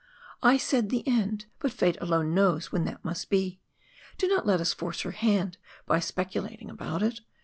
I said the end but fate alone knows when that must be. Do not let us force her hand by speculating about it.